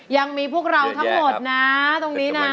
ยังมีพวกเราทั้งหมดนะตรงนี้นะเป็นกำลังใจให้นะจริง